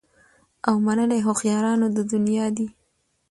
او منلي هوښیارانو د دنیا دي